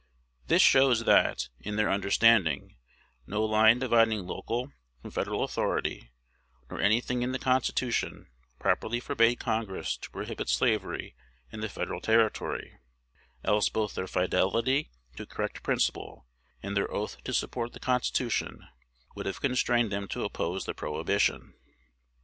This shows that, in their understanding, no line dividing local from Federal authority, nor any thing in the Constitution, properly forbade Congress to prohibit slavery in the Federal territory; else both their fidelity to correct principle, and their oath to support the Constitution, would have constrained them to oppose the prohibition.